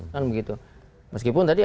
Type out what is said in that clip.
kan begitu meskipun tadi